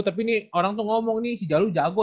tapi nih orang tuh ngomong nih si jago jago